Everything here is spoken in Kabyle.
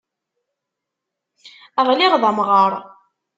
Ɣliɣ d amɣar.